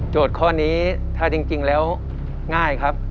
ข้อนี้ถ้าจริงแล้วง่ายครับ